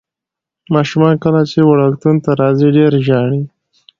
ماشومان کله چې وړکتون ته راځي ډېر ژاړي.